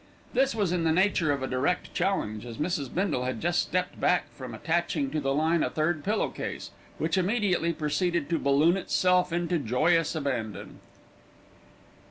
This was in the nature of a direct challenge, as Mrs. Bindle had just stepped back from attaching to the line a third pillow case, which immediately proceeded to balloon itself into joyous abandon.